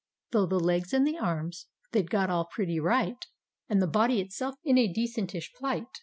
} :\:son' Though the legs and the arms they'd got all pretty right, And the body itself in a decentish plight.